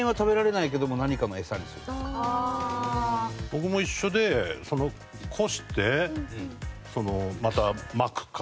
僕も一緒でこしてまた撒くか。